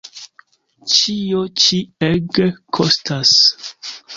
Ĉio ĉi ege kostas.